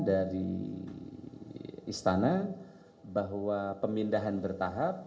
dari istana bahwa pemindahan bertahap